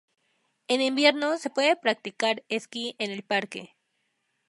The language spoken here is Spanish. En invierno, se puede practicar esquí en el parque.